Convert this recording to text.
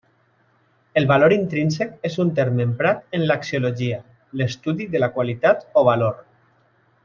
El valor intrínsec és un terme emprat en l'axiologia, l'estudi de la qualitat o valor.